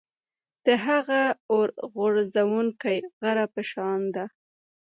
د هغه اور غورځوونکي غره په شان ده.